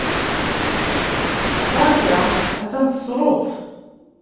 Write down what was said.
Berka! Atan tessruḍ-tt!